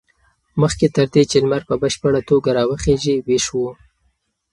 مخکې تر دې چې لمر په بشپړه توګه راوخېژي ویښ و.